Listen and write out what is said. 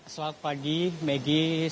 selamat pagi maggie